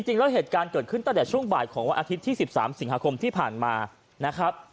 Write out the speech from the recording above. เหตุการณ์เกิดขึ้นตั้งแต่ช่วงบ่ายของวันอาทิตย์ที่๑๓สิงหาคมที่ผ่านมานะครับ